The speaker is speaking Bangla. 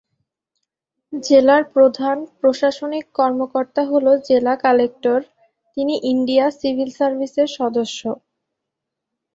জেলার প্রধান প্রশাসনিক কর্মকর্তা হলো জেলা কালেক্টর, তিনি ইন্ডিয়া সিভিল সার্ভিসের সদস্য।